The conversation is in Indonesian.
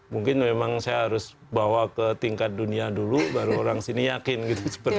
mungkin memang saya harus bawa ke tingkat dunia dulu baru orang sini yakin gitu seperti itu